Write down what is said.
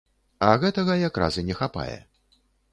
А гэтага якраз і не хапае.